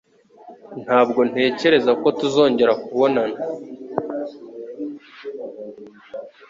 Ntabwo ntekereza ko tuzongera kubonana.